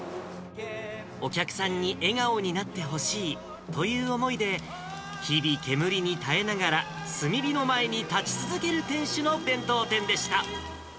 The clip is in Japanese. お客さんに笑顔になってほしいという思いで、日々、煙に耐えながら炭火の前に立ち続ける店主の弁当店でした。